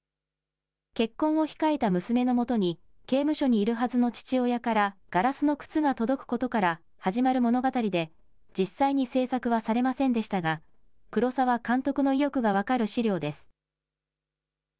結婚を控えた娘のもとに刑務所にいるはずの父親からガラスの靴が届くことから始まる物語で実際に制作はされませんでしたが黒澤監督の意欲が分かる資料です。